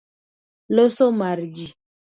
Loso mar ji.